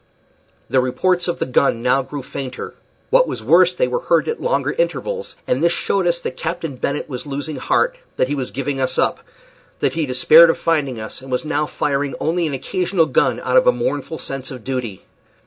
The reports of the gun now grew fainter; what was worse, they were heard at longer intervals, and this showed us that Captain Bennet was losing heart; that he was giving us up; that he despaired of finding us, and was now firing only an occasional gun out of a mournful sense of duty.